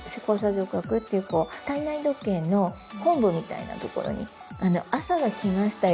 上核っていう体内時計の本部みたいなところに朝が来ましたよ